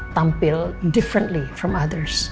tampil berbeda dari orang lain